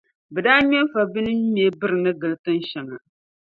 bɛ daa ŋme n-fa bɛ ni me birini gili tin’ shɛŋa.